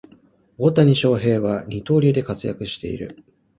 大谷翔平は二刀流で活躍している